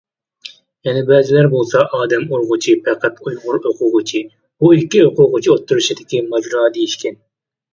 يەنە بەزىلەر بولسا ئادەم ئۇرغۇچى پەقەت ئۇيغۇر ئوقۇغۇچى، بۇ ئىككى ئوقۇغۇچى ئوتتۇرىسىدىكى ماجىرا دېيىشكەن.